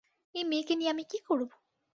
এই মেয়ে কে নিয়ে আমি কী করবো?